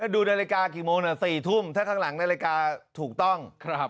ดูในรายการกี่โมงนะ๔ทุ่มถ้าข้างหลังในรายการถูกต้อง